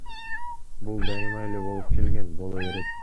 Бул дайыма эле болуп келген, боло берет.